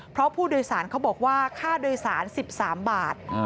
เพราะผู้โดยสารเขาบอกว่าค่าโดยสาร๑๓บาท